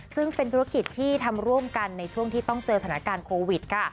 ซึ่งเป็นธุรกิจที่ทำร่วมกันในช่วงที่ต้องเจอสถานการณ์โควิดค่ะ